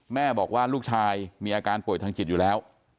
แม่บอกว่าลูกชายมีอาการป่วยทางจิตอยู่แล้ว